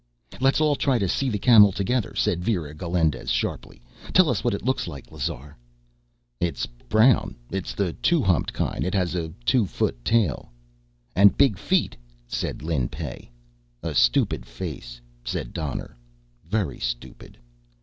"Let's all try and see the camel together," said Vera Galindez sharply. "Tell us what it looks like, Lazar." "It's brown, it's the two humped kind, it has a two foot tail." "And big feet," said Lin Pey. "A stupid face," said Donner. "Very stupid."